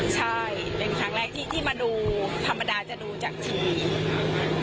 ใช่เป็นครั้งแรกที่มาดูธรรมดาจะดูจากที